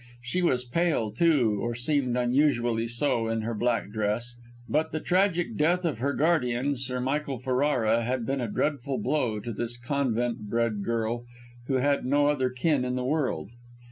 She was pale, too, or seemed unusually so in her black dress; but the tragic death of her guardian, Sir Michael Ferrara, had been a dreadful blow to this convent bred girl who had no other kin in the world.